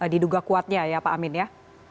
diduga kuatnya ya pak amin ya